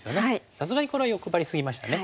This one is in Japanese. さすがにこれは欲張り過ぎましたね。